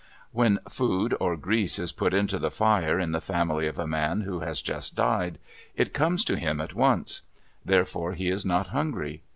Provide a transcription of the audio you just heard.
When food or grease is put into the fire in the family of a man who has just died, it comes to him at once; therefore he is not hungry.